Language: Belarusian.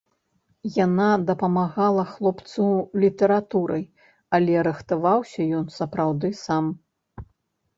Яна дапамагала хлопцу літаратурай, але рыхтаваўся ён сапраўды сам.